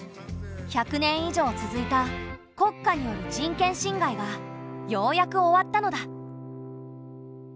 １００年以上続いた国家による人権侵害がようやく終わったのだ。